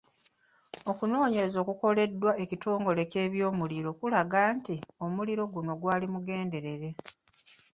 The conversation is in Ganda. Okunnoonyereza okwakoleddwa ekitongole ky'ebyomuliro kulaga nti omuliro guno gwali mugenderere.